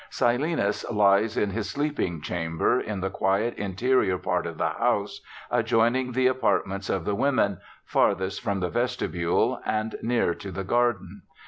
Silenus lies in his sleeping chamber, in the quiet interior part of the house, adjoining the apartments of the women, farthest from the vestibule, and near to the garden.